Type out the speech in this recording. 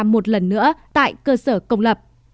một lần nữa tại cơ sở công lập